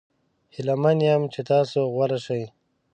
هیله من یم چې تاسو غوره شي.